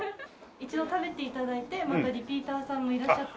一度食べて頂いてまたリピーターさんもいらっしゃって。